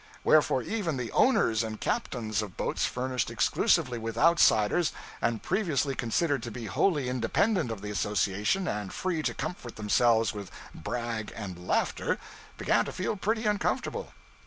Wherefore even the owners and captains of boats furnished exclusively with outsiders, and previously considered to be wholly independent of the association and free to comfort themselves with brag and laughter, began to feel pretty uncomfortable.